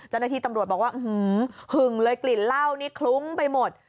เจ้าหน้าที่ตำรวจบอกว่าหึงเลยกลิ่นเหล้านี่คลุ้งไปหมด